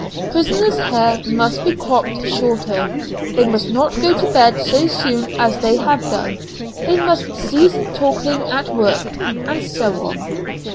"Prisoners' hair must be cropped shorter; they must not go to bed so soon as they have done: they must cease talking at work," and so on.